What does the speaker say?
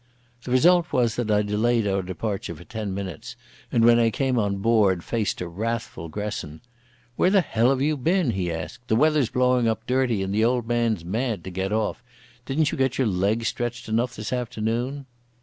The result was that I delayed our departure for ten minutes and when I came on board faced a wrathful Gresson. "Where the hell have you been?" he asked. "The weather's blowing up dirty and the old man's mad to get off. Didn't you get your legs stretched enough this afternoon?"